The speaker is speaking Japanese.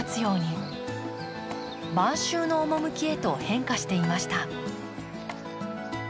晩秋の趣へと変化していました。